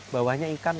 bawahnya ikan lima